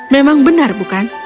memang benar bukan